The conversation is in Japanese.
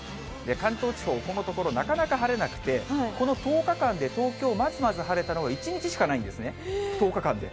関東地方、このところ、なかなか晴れなくて、この１０日間で東京、まずまず晴れたのが１日しかないんですね、１０日間で。